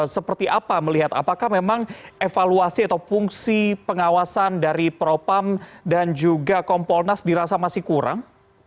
seperti apa melihat apakah memang evaluasi atau fungsi pengawasan dari propam dan juga kompolnas dirasa masih kurang